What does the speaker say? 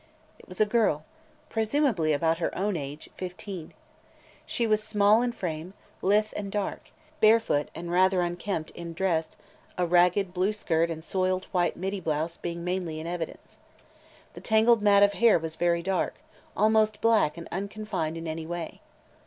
It was a girl, presumably about her own age – fifteen. She was small in frame, lithe and dark, barefooted and rather unkempt in dress, a ragged blue skirt and soiled white middy blouse being mainly in evidence. The tangled mat of hair was very dark, almost black and unconfined in any way.